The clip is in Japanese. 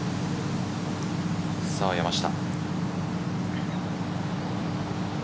さあ山下。